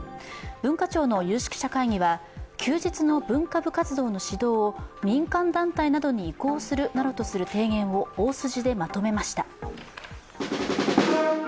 文化庁の有識者会議は休日の文化部活動の指導を民間団体などに移行するなどとする提言を大筋でまとめました。